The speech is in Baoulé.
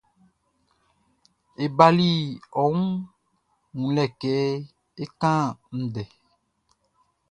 E bali ɔ wun wunlɛ kɛ é kán ndɛ.